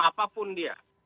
sama apapun dia